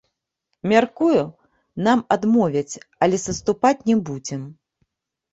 Мяркую, нам адмовяць, але саступаць не будзем.